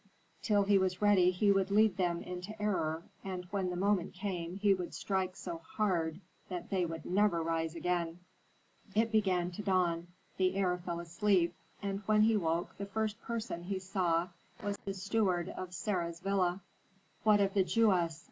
Till he was ready he would lead them into error, and when the moment came he would strike so hard that they would never rise again. It began to dawn. The heir fell asleep, and when he woke the first person he saw was the steward of Sarah's villa. "What of the Jewess?"